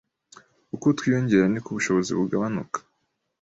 uko twiyongera niko n’ubushobozi bugabanuka